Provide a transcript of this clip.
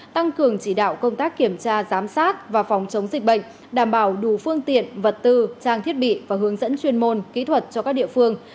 tăng cường chỉ đạo công tác kiểm tra giám sát và phòng chống dịch bệnh đảm bảo đủ phương tiện vật tư trang thiết bị và hướng dẫn chuyên môn kỹ thuật cho các địa phương